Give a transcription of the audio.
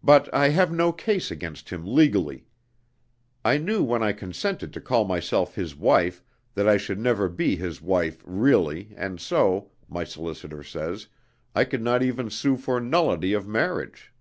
But I have no case against him legally. I knew when I consented to call myself his wife, that I should never be his wife really, and so, my solicitor says, I could not even sue for nullity of marriage.